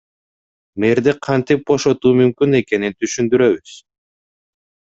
Мэрди кантип бошотуу мүмкүн экенин түшүндүрөбүз.